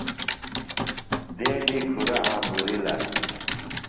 دیدی کُھرہ آمبورِیلہ